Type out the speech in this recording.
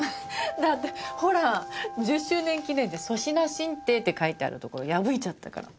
だってほら「十周年記念で粗品進呈」って書いてあるところ破いちゃったから。